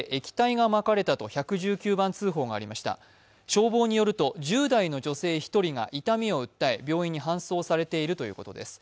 消防によると、１０代の女性１人が痛みを訴え、病院に搬送されているということです。